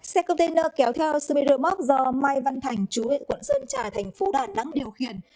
xe container kéo theo sermira mark do mai văn thành chú huyện quận sơn trà thành phố đà nẵng điều khiển